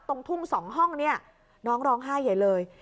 ตรงทุ่ง๒ห้องเนี่ยน้องร้องไห้ใหญ่เลย